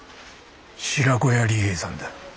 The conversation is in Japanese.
白子屋利兵衛さんだ。